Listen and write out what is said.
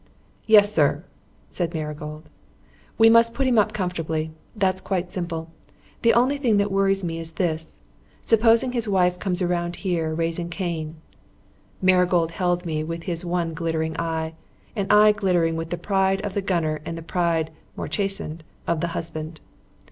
"Yes, sir," said Marigold. "We must put him up comfortably. That's quite simple. The only thing that worries me is this supposing his wife comes around here raising Cain ?" Marigold held me with his one glittering eye an eye glittering with the pride of the gunner and the pride (more chastened) of the husband.